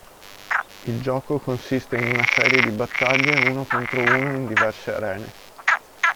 Il gioco consiste in una serie di battaglie uno contro uno in diverse arene.